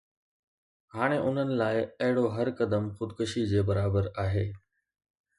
هاڻي انهن لاءِ اهڙو هر قدم خودڪشي جي برابر آهي